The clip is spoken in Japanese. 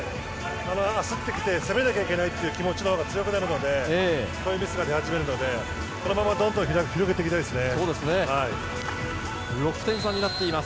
攻めなきゃいけないという気持ちのほうが強くなるのでこういうミスが出始めるのでこのままどんどん広げていきたいですね。